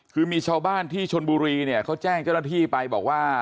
คือมีชาวบ้านที่ชนบุรีเนี่ยเขาแจ้งเจ้าหน้าที่ไปบอกว่า